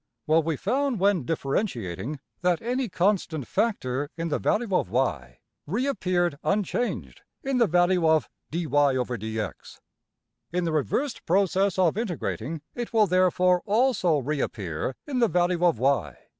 Well, we found when differentiating (see \Pageref{differ}) that any constant factor in the value of~$y$ reappeared unchanged in the value of~$\dfrac{dy}{dx}$. In the reversed process of integrating, it will therefore also reappear in the value of~$y$.